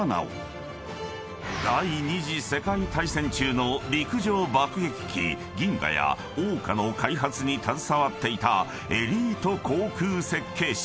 ［第二次世界大戦中の陸上爆撃機銀河や桜花の開発に携わっていたエリート航空設計士］